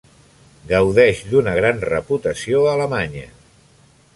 Gaudeix d'una gran reputació a Alemanya.